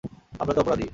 আমরা তো অপরাধী।